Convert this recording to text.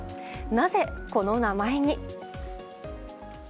なぜ、この名前に？